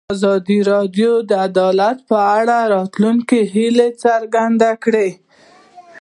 ازادي راډیو د عدالت په اړه د راتلونکي هیلې څرګندې کړې.